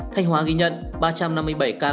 thanh hóa ghi nhận ba trăm năm mươi bảy ca